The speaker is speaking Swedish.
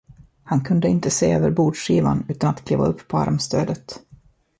Han kunde inte se över bordskivan utan att kliva upp på armstödet.